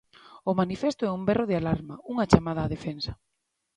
O manifesto é un berro de alarma, unha chamada á defensa.